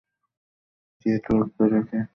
কে তোয়াক্কা রাখে কবে কিসে কী সুবিধা অসুবিধা হইতে পারে?